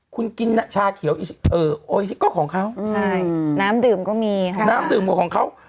คุณกินชาเขียวโออิซิโก้ของเขาใช่น้ำดื่มก็มีค่ะน้ำดื่มกับของเขา